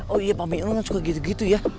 oh iya pak miun kan suka gitu gitu ya